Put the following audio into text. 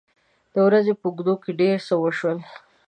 د ورځې په اوږدو کې ډېر څه وشول.